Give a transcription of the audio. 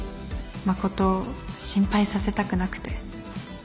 真琴を心配させたくなくて